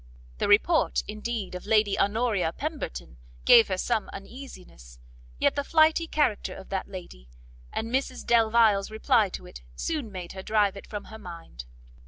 The report, indeed, of Lady Honoria Pemberton gave her some uneasiness, yet the flighty character of that lady, and Mrs Delvile's reply to it, soon made her drive it from her mind.